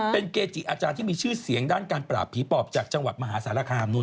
เป็นเกจิอาจารย์ที่มีชื่อเสียงด้านการปราบผีปอบจากจังหวัดมหาสารคามนู้น